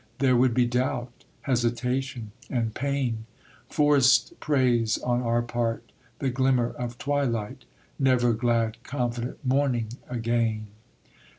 There would be doubt, hesitation, and pain, Forced praise on our part the glimmer of twilight, Never glad confident morning again!